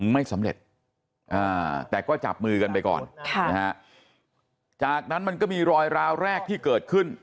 ไม่สำเร็จแต่ก็จับมือกันไปก่อนค่ะนะฮะจากนั้นมันก็มีรอยราวแรกที่เกิดขึ้น